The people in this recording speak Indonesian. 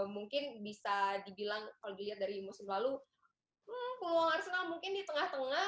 mungkin bisa dibilang kalau dilihat dari musim lalu peluang arsenal mungkin di tengah tengah